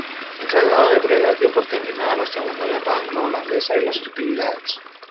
El Tratado de Breda dio por terminada la Segunda Guerra Anglo-Holandesa y las hostilidades.